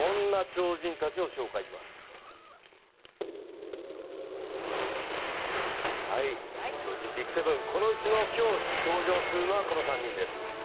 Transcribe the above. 超人ＢＩＧ７、このうちの今日登場するのはこの３人です。